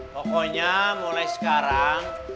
pokoknya mulai sekarang